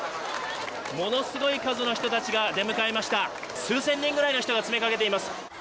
ものすごい数の人たちが出迎えました数千人ぐらいの人が詰めかけています